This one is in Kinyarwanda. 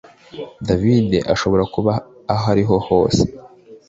David ashobora kuba ahariho hose